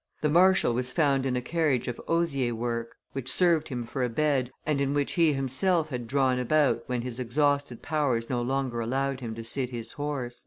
The marshal was found in a carriage of osier work, which served him for a bed, and in which he had himself drawn about when his exhausted powers no longer allowed him to sit his horse."